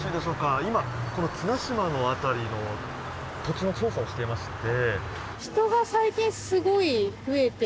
今この綱島の辺りの土地の調査をしていまして。